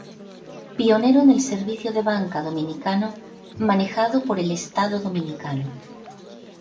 Pionero en el servicio de banca dominicano, manejado por el Estado Dominicano.